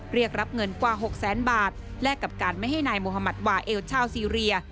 เรียกรับเงินกว่า๖แสนบาทแลกกับการไม่ให้นายมุธมัติวาเอลชาวซีเรีย